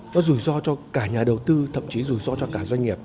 có rủi ro cho cả nhà đầu tư thậm chí rủi ro cho cả doanh nghiệp